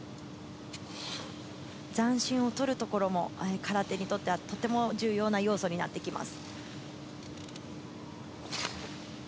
残心をとるところも空手にとってはとても重要な要素になってきます。